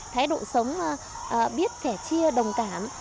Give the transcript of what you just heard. thái độ sống biết kẻ chia đồng cảm